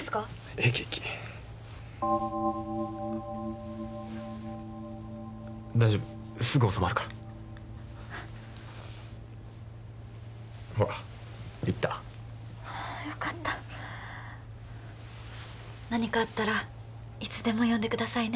平気平気大丈夫すぐ治まるからほら行ったよかった何かあったらいつでも呼んでくださいね